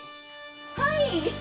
はい！